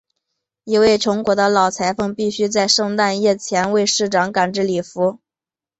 一位穷苦的老裁缝必须在圣诞夜前为市长赶制礼服。